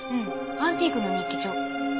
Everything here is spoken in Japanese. アンティークの日記帳。